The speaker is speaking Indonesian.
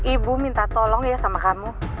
ibu minta tolong ya sama kamu